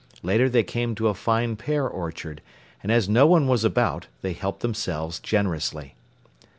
Later they came to a fine pear orchard, and as no one was about they helped themselves generously.